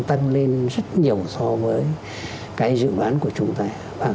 tăng lên rất nhiều so với cái dự đoán của chúng ta